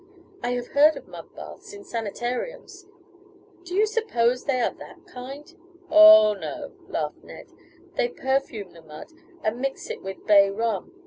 I have heard of mud baths in sanitariums. Do you suppose they are that kind?" "Oh, no," laughed Ned. "They perfume the mud and mix it with bay rum.